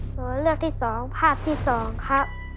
ตัวเลือกที่สองภาพที่สองครับ